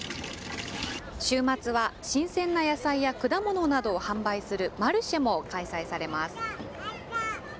週末は新鮮な野菜や果物などを販売するマルシェも開催されます。